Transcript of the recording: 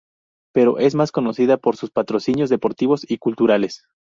Pero es más conocida por sus patrocinios deportivos y culturales.